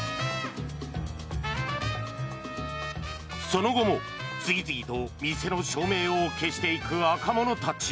その後も次々と店の照明を消していく若者たち。